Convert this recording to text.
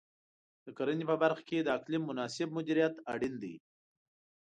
د کرنې په برخه کې د اقلیم مناسب مدیریت اړین دی.